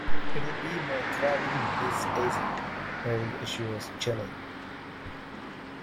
"It'll be my "Driving Miss Daisy"," Harry assures Chili.